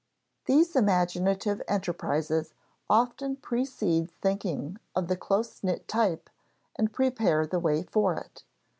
These imaginative enterprises often precede thinking of the close knit type and prepare the way for it.